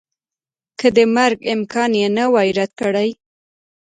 که د مرګ امکان یې نه وای رد کړی